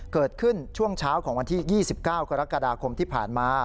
เกิดขึ้นช่วงเช้าของวันที่๒๙กรกฎาคมที่ผ่านมา